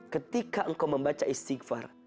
ketika engkau membaca istighfar